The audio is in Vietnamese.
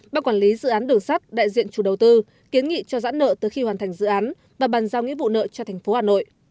ban quản lý dự án đường sắt đại diện chủ đầu tư kiến nghị cho giãn nợ từ khi hoàn thành dự án và bàn giao nghĩa vụ nợ cho thành phố hà nội